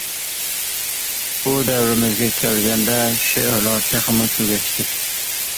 بۇ دەۋرىمىزگە كەلگەندە شېئىرلار تېخىمۇ تۈگەشتى.